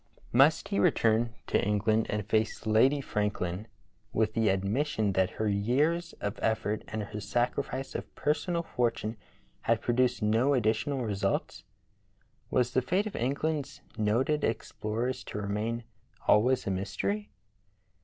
Must he return to England and face Lady Franklin with the admission that her years of effort and her sacrifice of personal fortune had produced no additional results.? Was the fate of England's noted explorers to remain always a mystery?